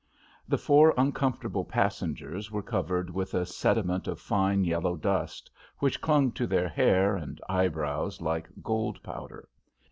The four uncomfortable passengers were covered with a sediment of fine, yellow dust which clung to their hair and eyebrows like gold powder.